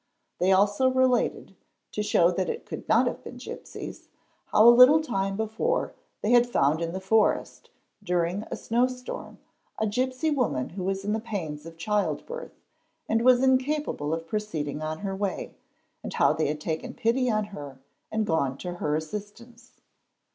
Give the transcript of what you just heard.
They also related, to show that it could not have been gipsies, how a little time before they had found in the forest, during a snow storm, a gipsy woman who was in the pains of child birth and was incapable of proceeding on her way, and how they had taken pity on her and gone to her assistance.